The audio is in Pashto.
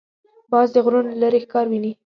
باز د غرونو له لیرې ښکار ویني